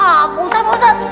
ah pak ustadz pak ustadz